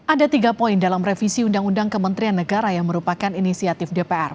ada tiga poin dalam revisi undang undang kementerian negara yang merupakan inisiatif dpr